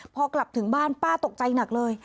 พอกลับถึงบ้านป้าตกใจหนักเลย